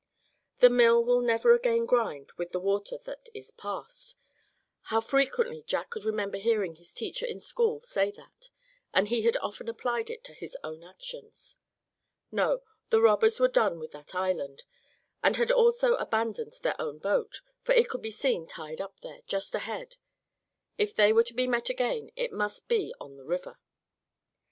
The mill will never again grind with the water that is past how frequently Jack could remember hearing his teacher in school say that; and he had often applied it to his own actions. No, the robbers were done with that island, and had also abandoned their own boat, for it could be seen tied up there, just ahead. If they were to be met again it must be on the river.